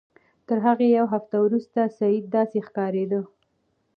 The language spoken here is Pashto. تر هغه یوه هفته وروسته سید داسې ښکارېده.